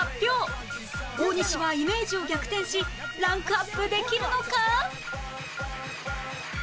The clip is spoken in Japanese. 大西はイメージを逆転しランクアップできるのか？